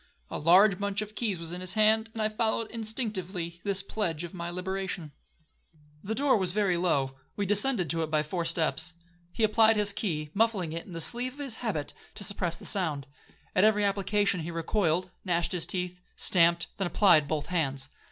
A large bunch of keys was in his hand, and I followed instinctively this pledge of my liberation. 1 Vide Moore's View of France and Italy. 'The door was very low—we descended to it by four steps. He applied his key, muffling it in the sleeve of his habit to suppress the sound. At every application he recoiled, gnashed his teeth, stamped—then applied both hands.